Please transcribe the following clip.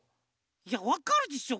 いやわかるでしょ。